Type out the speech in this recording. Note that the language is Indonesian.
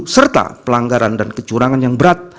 serta pelanggaran dan kecurangan yang berat